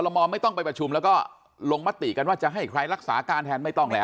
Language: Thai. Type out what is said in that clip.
มไม่ต้องไปประชุมแล้วก็ลงมติกันว่าจะให้ใครรักษาการแทนไม่ต้องแล้ว